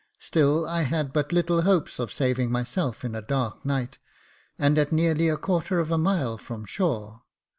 Still, I had but little hopes of saving myself in a dark night, and at nearly a quarter of a mile from shore.